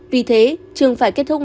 vì thế trường phải kết thúc